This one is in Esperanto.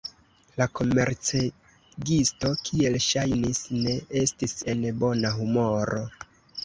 La komercegisto, kiel ŝajnis, ne estis en bona humoro.